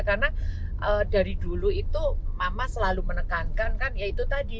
karena dari dulu itu mama selalu menekankan kan ya itu tadi